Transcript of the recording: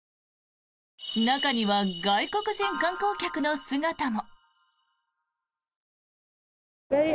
中には外国人観光客の姿も。